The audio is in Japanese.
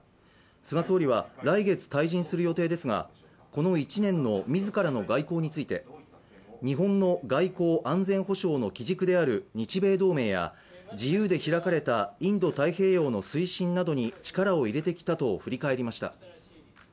菅総理は来月退陣する予定ですが、この１年の自らの外交について、日本の外交・安全保障の基軸である日米同盟や自由で開かれたインド太平洋の推進などに力を入れてきたと振り返りました。